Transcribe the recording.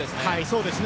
そうですね。